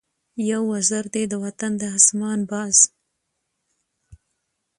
یو وزر دی د وطن د آسمان ، باز